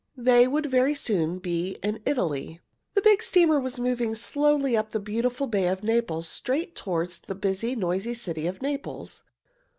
They would very soon be in Italy. The big steamer was moving slowly up the beautiful Bay of Naples, straight toward the busy, noisy city of Naples.